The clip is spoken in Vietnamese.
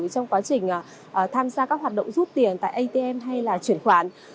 trong quá trình tham gia các hoạt động rút tiền tại atm hay là chuyển khoản